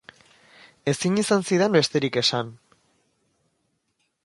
Ezin izan zidan besterik esan.